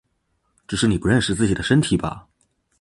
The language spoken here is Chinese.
只是你不认识自己的身体吧！